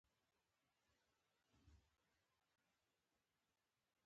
ولونه یې تازه کړل.